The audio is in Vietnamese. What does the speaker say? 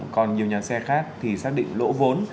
còn nhiều nhà xe khác thì xác định lỗ vốn